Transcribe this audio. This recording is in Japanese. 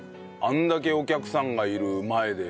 あれだけお客さんがいる前で。